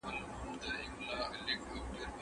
کابل د ډېرو علمي او فرهنګي ټولنو کوربه دی.